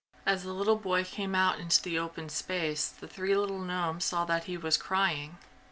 As the little boy came out into the open space the three little gnomes saw that he was crying.